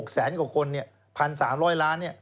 ๖แสนกว่าคนเนี่ย๑๓๐๐ล้านเนี่ย